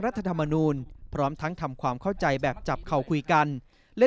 ธรรมนูลพร้อมทั้งทำความเข้าใจแบบจับเข่าคุยกันและ